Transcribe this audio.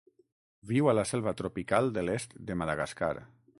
Viu a la selva tropical de l'est de Madagascar.